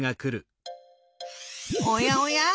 おやおや？